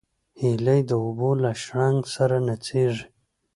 هیلۍ د اوبو له شرنګ سره نڅېږي